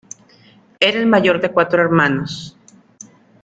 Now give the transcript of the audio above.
Era el mayor de cuatro hermanos.